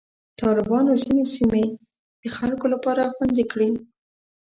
طالبانو ځینې سیمې د خلکو لپاره خوندي کړې.